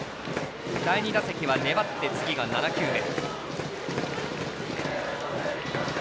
第２打席は粘って次が７球目。